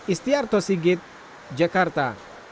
istiarto sigit jakarta